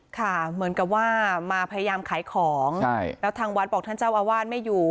ค่ะเหมือนกับว่ามาพยายามขายของใช่แล้วทางวัดบอกท่านเจ้าอาวาสไม่อยู่